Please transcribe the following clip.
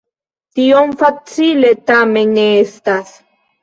Tiom facile tamen ne estas.